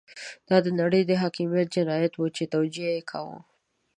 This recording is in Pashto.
دا د نړۍ د حاکميت جنايت وو چې توجیه يې کاوه.